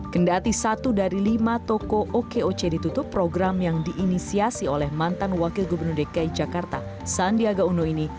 kendati satu dari lima toko okoc ditutup program yang diinisiasi oleh mantan wakil gubernur dki jakarta sandiaga uno ini